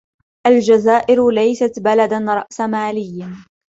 الجزائر ليست بلد رأسمالي.